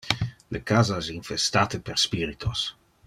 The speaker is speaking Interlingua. Le casa es infestate per spiritos.